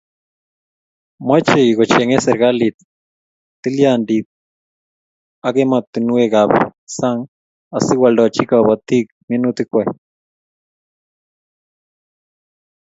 Moche kochengei serkalit tilyanditak emotinwekab sang asikoaldochi kobotik minutikwai